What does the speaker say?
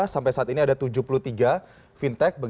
sampai saat ini ada tujuh puluh tiga fintech